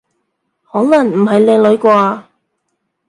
可能唔係靚女啩？